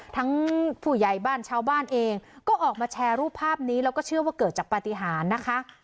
ผู้ใหญ่บ้านชาวบ้านเองก็ออกมาแชร์รูปภาพนี้แล้วก็เชื่อว่าเกิดจากปฏิหารนะคะ